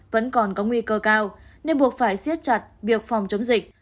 vẫn còn có nguy cơ cao nên buộc phải xiết chặt biệt phòng chống dịch